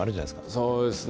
そうですね。